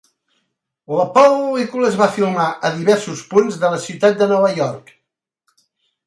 La pel·lícula es va filmar a diversos punts de la ciutat de Nova York.